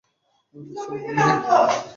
পিস্তলে গুলি নেই!